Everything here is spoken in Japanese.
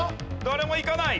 誰もいかない。